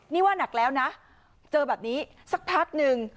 นี่ว่านักแล้วนะเจอแบบนี้สักพักหนึ่ง